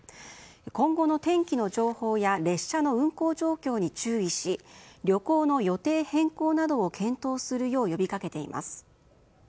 今後の天気の情報や列車の運行状況に注意し、旅行の予定変更などを検討するよう呼びかけています。